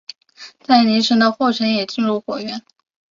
在伊犁的霍城也进入果园。